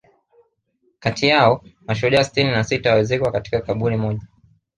kati yao mashujaa sitini na sita walizikwa katika kaburi moja